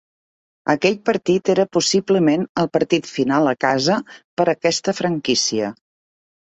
Aquell partit era possiblement el partit final a casa per a aquesta franquícia.